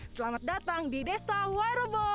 selamat datang di desa wairebo